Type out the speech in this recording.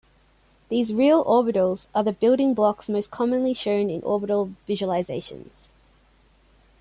These real orbitals are the building blocks most commonly shown in orbital visualizations.